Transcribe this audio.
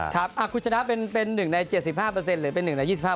ครับคุณชนะเป็น๑ใน๗๕หรือเป็น๑ใน๒๕